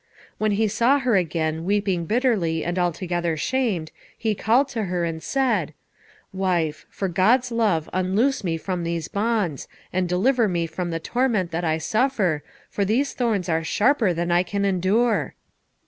When he saw her again, weeping bitterly and altogether shamed, he called to her, and said, "Wife, for God's love unloose me from these bonds, and deliver me from the torment that I suffer, for these thorns are sharper than I can endure."